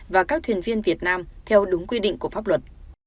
và các thuyền viên việt nam theo đúng quy định của pháp luật